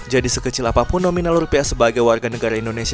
jadi sekecil apapun nominal rupiah sebagai warga negara indonesia